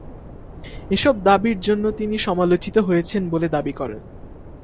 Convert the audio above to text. এসব দাবির জন্য তিনি সমালোচিত হয়েছেন বলে দাবি করেন।